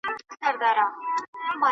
د قیامت نښانې دغه دي ښکاریږي .